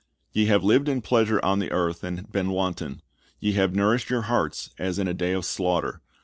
Ye have lived in pleasure on the earth, and been wanton. Ye have nourished your hearts, as in a day of slaughter.